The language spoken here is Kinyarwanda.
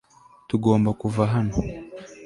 tugomba kuva hano